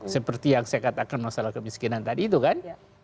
seperti yang saya katakan masalah kemiskinan tadi itu kan